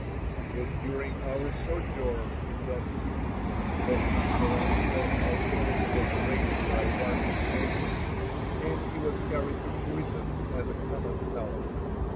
It was during our sojourn in that city that his palatial household was raided by a party of soldiers, and he was carried to prison as a common felon.